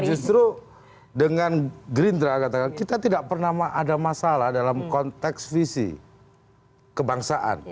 justru dengan gerindra katakan kita tidak pernah ada masalah dalam konteks visi kebangsaan